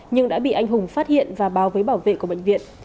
nhưng đã bị anh hùng phát hiện và báo với bảo vệ của bệnh viện